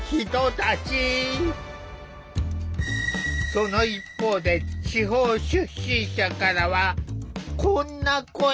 その一方で地方出身者からはこんな声も。